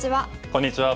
こんにちは。